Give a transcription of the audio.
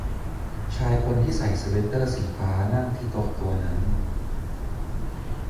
ชายคนที่ใส่สเวตเตอร์สีฟ้านั่งที่โต๊ะตัวนั้น